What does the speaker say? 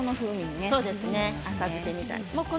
浅漬けみたいに。